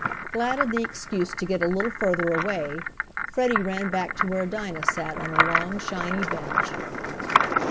Glad of the excuse to get a little further away, Freddie ran back to where Dinah sat on a long shiny bench.